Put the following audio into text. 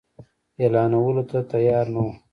اعلانولو ته تیار نه وو.